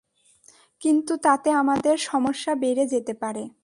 কিন্তু তাতে আমাদের সমস্যা বেড়ে যেতে পারে।